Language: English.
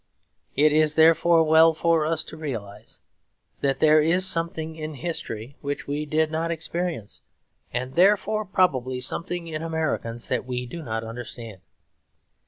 It is therefore well for us to realise that there is something in history which we did not experience; and therefore probably something in Americans that we do not understand.